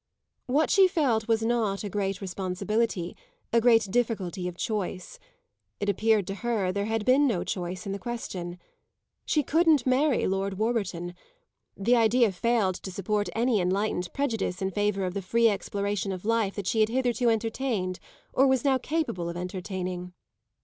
What she felt was not a great responsibility, a great difficulty of choice; it appeared to her there had been no choice in the question. She couldn't marry Lord Warburton; the idea failed to support any enlightened prejudice in favour of the free exploration of life that she had hitherto entertained or was now capable of entertaining.